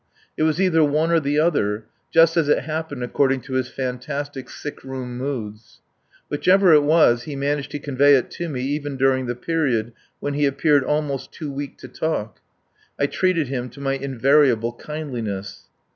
It was either one or the other, just as it happened according to his fantastic sickroom moods. Whichever it was, he managed to convey it to me even during the period when he appeared almost too weak to talk. I treated him to my invariable kindliness.